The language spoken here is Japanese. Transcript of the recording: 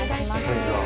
こんにちは。